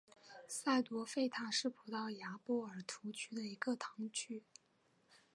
塞多费塔是葡萄牙波尔图区的一个堂区。